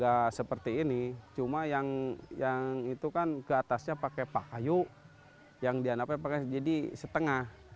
gak seperti ini cuma yang itu kan keatasnya pakai pahayu yang diandalkan pakai jadi setengah